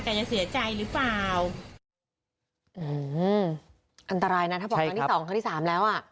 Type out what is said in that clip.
แต่จะเสียใจหรือเปล่าอืมอันตรายนะถ้าบอกครั้งที่สองครั้งที่สามแล้วอ่ะ